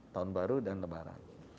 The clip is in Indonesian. tahun baru dan lebaran